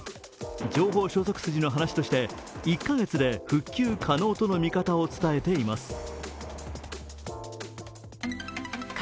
情報消息筋の話として１カ月で復旧可能との見方を伝えています。